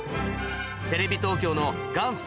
テレビ東京の『元祖！